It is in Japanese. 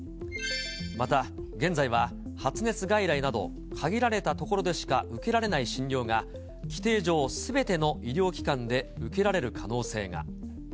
また現在は発熱外来など、限られた所でしか受けられない診療が、規定上、すべての医療機関で受けられる可能性が。